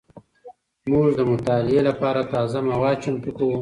موږ د مطالعې لپاره تازه مواد چمتو کوو.